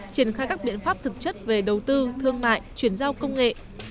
triển khai các biện pháp thực chất về đầu tư thương mại chuyển giao công nghệ